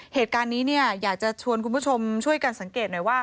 เหตุการณ์นี้เนี่ยอยากจะชวนคุณผู้ชมช่วยกันสังเกตหน่อยว่า